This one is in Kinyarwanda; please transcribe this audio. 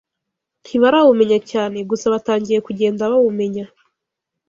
ntibarawumenya cyane, gusa batangiye kugenda bawumenya